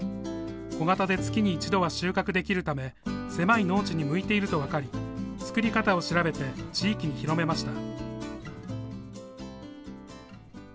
小型で月に一度は収穫できるため狭い農地に向いていると分かり作り方を調べて地域に広めました。